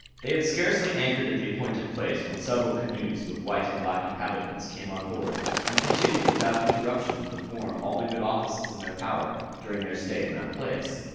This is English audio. They had scarcely anchored at the appointed place, when several canoes, with white and black inhabitants, came on board, and continued without interruption to perform all the good offices in their power during their stay in that place.